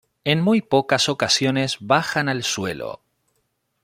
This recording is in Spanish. En muy pocas ocasiones bajan al suelo.